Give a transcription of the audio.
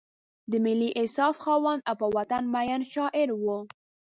د ملي احساس خاوند او په وطن مین شاعر و.